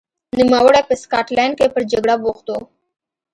نوموړی په سکاټلند کې پر جګړه بوخت و.